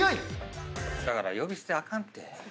だから呼び捨てあかんて。